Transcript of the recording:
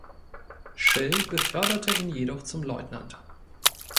Schill beförderte ihn jedoch zum Leutnant.